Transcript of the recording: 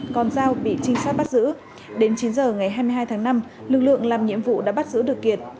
còn giao bị trinh sát bắt giữ đến chín giờ ngày hai mươi hai tháng năm lực lượng làm nhiệm vụ đã bắt giữ được kiệt